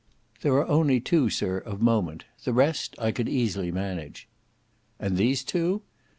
"There are only two, sir, of moment. The rest I could easily manage." "And these two?"